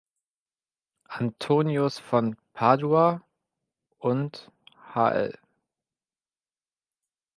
Antonius von Padua" und "hl.